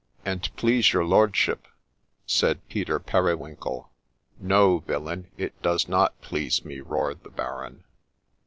' An't please your lordship ' said Peter Periwinkle. ' No, villain ! it does not please me !' roared the Baron.